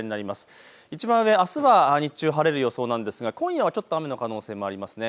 いちばん上、あすは日中晴れる予想なんですが今夜はちょっと雨の可能性もあります。